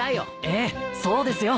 ええそうですよ。